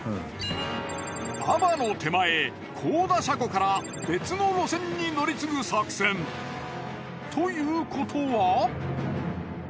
阿波の手前幸田車庫から別の路線に乗り継ぐ作戦。ということは。